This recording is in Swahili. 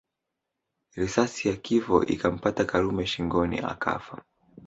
Risasi ya kifo ikampata Karume shingoni akafa